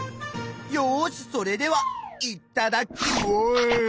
よしそれではいっただっきまぁす！